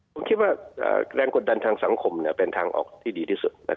ผมคิดว่าแรงกดดันทางสังคมเป็นทางออกที่ดีที่สุด